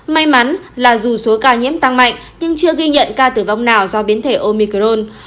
may mắn là dù số ca nhiễm tăng mạnh nhưng chưa ghi nhận ca tử vong nào do biến thể omicron